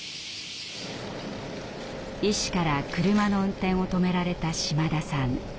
医師から車の運転を止められた島田さん。